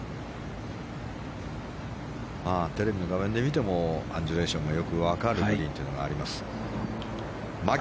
テレビの画面で見てもアンジュレーションがよく分かるグリーンというのがあります。